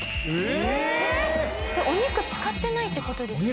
お肉使ってないって事ですか？